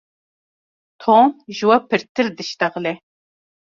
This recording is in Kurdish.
Tom ji we pirtir dişitexile.